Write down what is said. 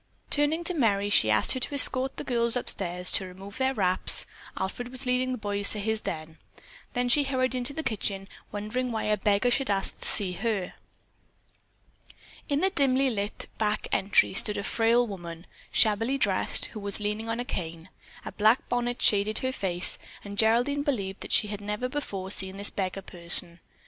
Turning to Merry, she asked her to escort the girls upstairs to remove their wraps (Alfred was leading the boys to his den), then she hurried into the kitchen wondering why a beggar should ask to see her. In the dimly lighted back entry stood a frail woman, shabbily dressed, who was leaning on a cane. A black bonnet shaded her face, and Geraldine believed that she had never before seen this beggar person.